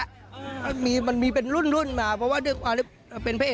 อะไรอย่างนี้